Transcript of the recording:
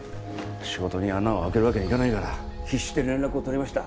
仕事に穴を開けるわけにはいかないから必死で連絡を取りました。